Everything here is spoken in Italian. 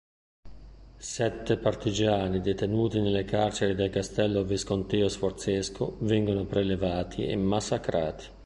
Sette partigiani detenuti nelle carceri del castello visconteo-sforzesco vengono prelevati e massacrati.